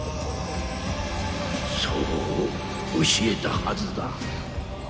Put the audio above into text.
そう教えたはずだ。